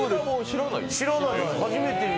知らない。